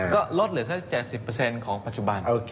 ก็ลดเหลือสัก๗๐เปอร์เซ็นต์ของปัจจุบัน